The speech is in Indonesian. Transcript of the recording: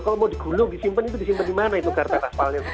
kalau mau di gulung disimpan itu disimpan di mana itu karpet aspalnya itu